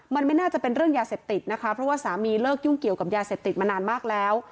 มันไม่น่าจะเป็นเรื่องยาเสพติดนะคะเพราะว่าสามีเลิกยุ่งเกี่ยวกับยาเสพติดมานานมากแล้ว